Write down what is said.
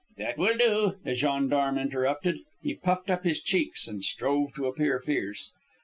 "That will do," the gendarme interrupted. He puffed up his cheeks and strove to appear fierce.